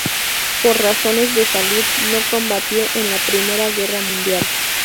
Por razones de salud, no combatió en la Primera Guerra Mundial.